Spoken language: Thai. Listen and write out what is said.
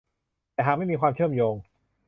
แต่หากไม่มีความเชื่อมโยง